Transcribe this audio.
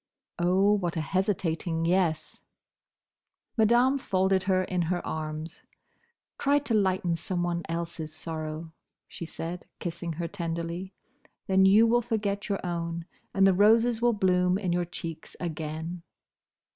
Oh, what a hesitating yes! Madame folded her in her arms. "Try to lighten someone else's sorrow," she said, kissing her tenderly, "then you will forget your own, and the roses will bloom in your cheeks again."